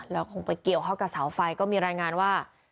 แล้วคงไปเกี่ยวข้องกับเสาไฟก็มีรายงานว่า